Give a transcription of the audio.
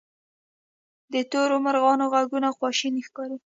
د تورو مرغانو ږغونه خواشیني ښکاري.